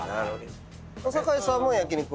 小堺さんも焼肉は？